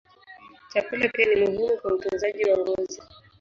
Chakula pia ni muhimu kwa utunzaji wa ngozi.